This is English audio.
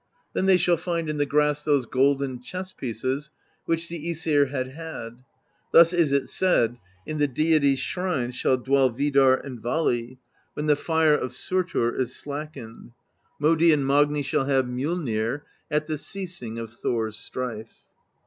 Then they shall find in the grass those golden chess piecesj vh.irh the^ / psir had had; thus is it said: " In the deities' shrines shall dwell Vidarr and Vali, When the Fire of Surtr is slackened; Modi and Magni shall have Mjollnir At the ceasing of Thor's strife.